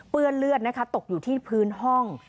เปื้อนเลือดตกอยู่ที่พื้นห้อง